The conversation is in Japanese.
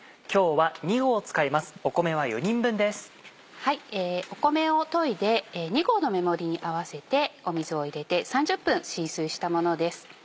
はい米をといで２合の目盛りに合わせて水を入れて３０分浸水したものです。